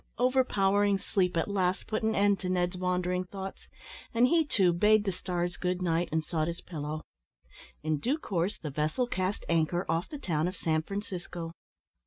Overpowering sleep at last put an end to Ned's wandering thoughts, and he too bade the stars good night, and sought his pillow. In due course the vessel cast anchor off the town of San Francisco.